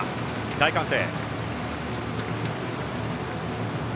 大歓声。